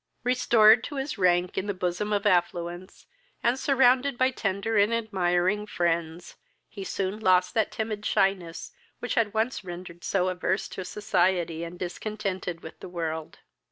Restored to his rank in the bosom of affluence, and surrounded by tender and admiring friends, he soon lost that timid shyness which had once rendered averse to society, and discontented with the world.